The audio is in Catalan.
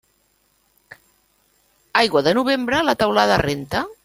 Aigua de novembre, la teulada renta.